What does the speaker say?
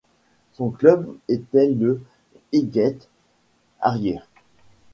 Son club était le Highgate Harriers.